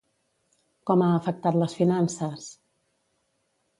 Com ha afectat les finances?